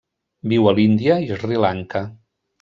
Viu a l'Índia i Sri Lanka.